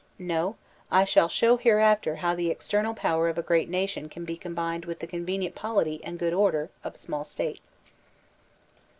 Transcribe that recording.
No; I shall show hereafter how the external power of a great nation can be combined with the convenient polity and good order a small State.